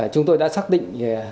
chúng tôi đã xác định